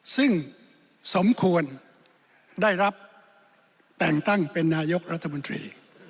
ซึ่งสมควรได้รับแต่งตั้งเป็นนายกรัฐมนตรี